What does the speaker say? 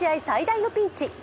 最大のピンチ。